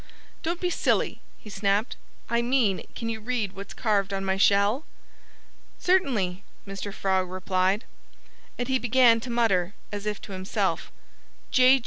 "Don't be silly!" he snapped. "I mean, can you read what's carved on my shell?" "Certainly!" Mr. Frog replied. And he began to mutter, as if to himself, "J.